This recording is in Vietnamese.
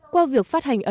qua việc phát hành ẩn